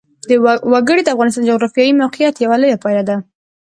وګړي د افغانستان د جغرافیایي موقیعت یوه لویه پایله ده.